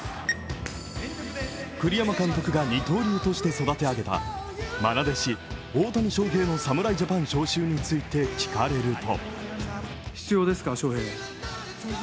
栗山監督が二刀流として育て上げた愛弟子大谷翔平の侍ジャパン招集について聞かれると。